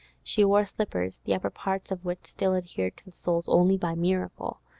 She wore slippers, the upper parts of which still adhered to the soles only by miracle.